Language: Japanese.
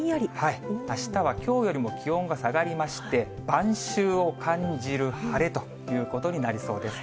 あしたはきょうよりも気温が下がりまして、晩秋を感じる晴れということになりそうです。